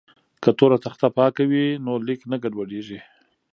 که تور تخته پاکه وي نو لیک نه ګډوډیږي.